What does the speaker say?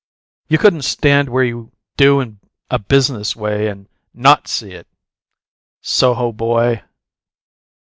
You couldn't stand where you do in a business way and NOT see it. Soho, boy!